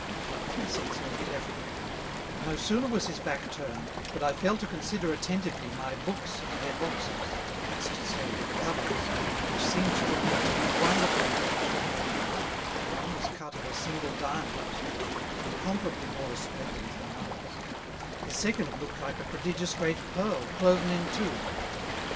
Having said so, he left me; and no sooner was his back turned, but I fell to consider attentively my Books and their Boxes, that's to say, their Covers, which seemed to me to be wonderfully Rich; the one was cut of a single Diamond, incomparably more resplendent than ours; the second looked like a prodigious great Pearl, cloven in two.